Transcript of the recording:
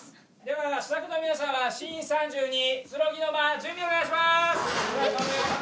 ではスタッフの皆さんはシーン３２くつろぎの間準備をお願いします。